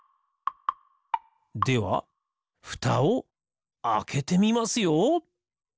ではふたをあけてみますよ！